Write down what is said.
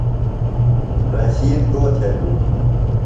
رشید گو تھےۡ گُوم؟